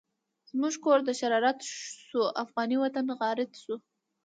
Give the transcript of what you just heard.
زموږ کور د شرارت شو، افغانی وطن غارت شو